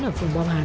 ở phường bom hán